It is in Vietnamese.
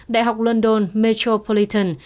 đại học london metropolitan